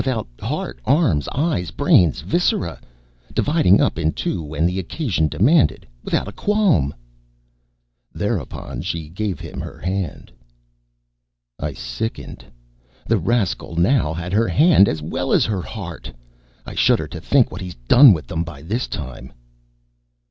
Without heart, arms, eyes, brains, viscera, dividing up in two when the occasion demanded. Without a qualm. ... thereupon she gave him her hand. I sickened. The rascal now had her hand, as well as her heart. I shudder to think what he's done with them, by this time.